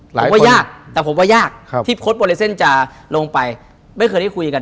ผมว่ายากแต่ผมว่ายากที่โค้ดวาเลเซนจะลงไปไม่เคยได้คุยกัน